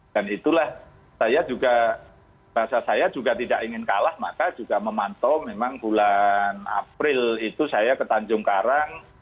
itulah saya juga bahasa saya juga tidak ingin kalah maka juga memantau memang bulan april itu saya ke tanjung karang